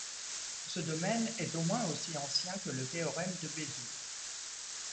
Ce domaine est au moins aussi ancien que le théorème de Bézout.